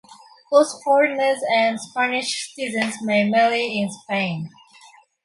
Both foreigners and Spanish citizens may marry in Spain.